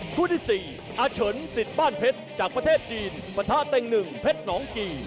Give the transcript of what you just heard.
คู่ที่สี่อาเฉินศิษฐ์บ้านเพชรจากประเทศจีนประทะเต็งหนึ่งเพชรหนองกี